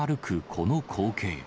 この光景。